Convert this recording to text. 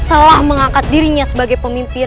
telah mengangkat dirinya sebagai pemimpin